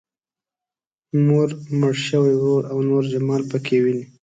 مور، مړ شوی ورور او نور جمال پکې ويني.